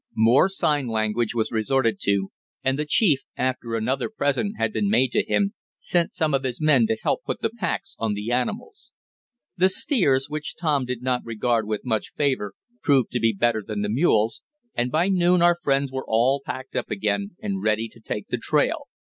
More sign language was resorted to, and the chief, after another present had been made to him, sent some of his men to help put the packs on the animals. The steers, which Tom did not regard with much favor, proved to be better than the mules, and by noon our friends were all packed up again, and ready to take the trail.